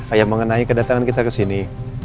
ayam mengenai kedatangan kita kesini